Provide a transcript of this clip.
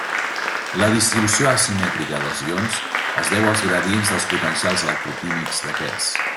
La distribució asimètrica dels ions es deu als gradients dels potencials electroquímics d'aquests.